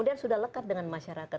kemudian sudah lekat dengan masyarakat